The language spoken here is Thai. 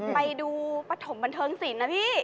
ไปดูปฐมบรรเทิงสินน่ะพี่